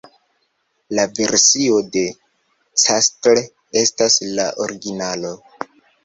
La versio de Castle estas la originalo.